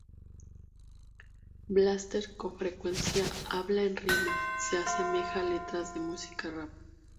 Blaster con frecuencia habla en rima se asemeja letras de música rap.